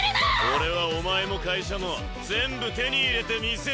俺はお前も会社も全部手に入れてみせるぞ。